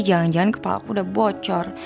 jangan jangan kepala aku udah bocor